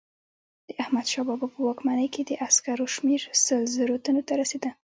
د احمدشاه بابا په واکمنۍ کې د عسکرو شمیر سل زره تنو ته رسېده.